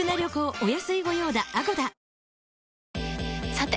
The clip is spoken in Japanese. さて！